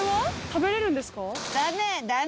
食べれるんですか？